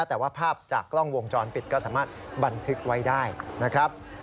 แต่ว่าภาพจากกล้องวงจรปิดก็สามารถบันทึกไว้ได้นะครับ